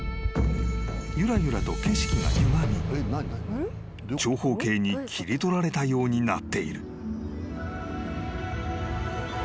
［ゆらゆらと景色がゆがみ長方形に切り取られたようになっている］